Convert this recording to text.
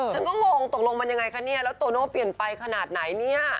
ฉันก็งงตกลงมันยังไงคะเนี่ยแล้วโตโน่เปลี่ยนไปขนาดไหนเนี่ย